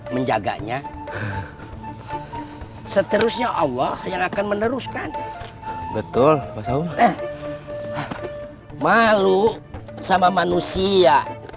menjaganya seterusnya allah yang akan meneruskan betul eh malu sama manusia